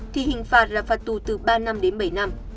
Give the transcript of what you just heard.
thì hình phạt là phạt tù từ ba năm đến bảy năm